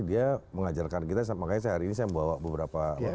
dia mengajarkan kita makanya saya hari ini saya membawa beberapa